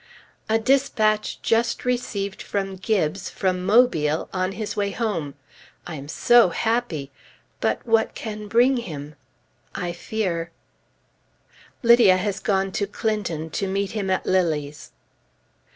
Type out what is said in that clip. A dispatch just received from Gibbes, from Mobile, on his way home. I am so happy! But what can bring him? I fear Lydia has gone to Clinton to meet him at Lilly's.